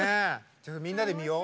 ちょっとみんなで見よう。